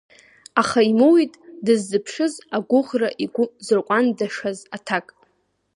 Аха имоуит дыззыԥшыз агәыӷра игәы зырҟәандашаз аҭак.